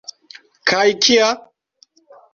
Kaj kia?